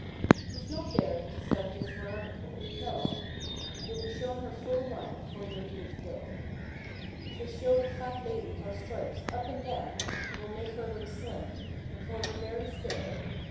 She's not there to sell just one article—No! You'll be shown her full line 'fore you're due to go. She'll show the fat lady how stripes—up and down. Will make her look slim—and for her very spare.